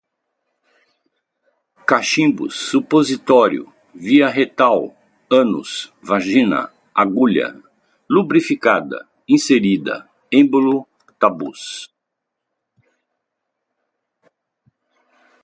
cachimbos, supositório, via retal, ânus, vagina, agulha, lubrificada, inserida, êmbolo, tabus